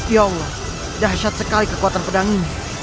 ya allah dahsyat sekali kekuatan pedang ini